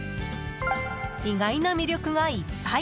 意外な魅力がいっぱい！